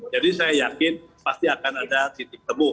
jadi saya yakin pasti akan ada titik temu